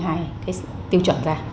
phải riêng hai cái tiêu chuẩn ra